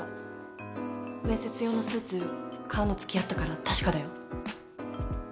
面接用のスーツ買うの付き合ったから確かだよ。